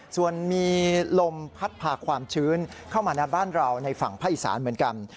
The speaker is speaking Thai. ส่วนมีลมพัดพาความชื้นเข้ามาในบ้านเราในฝั่งภาคอีสานเหมือนกัน